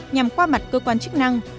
nhằm qua mặt cơ quan chức năng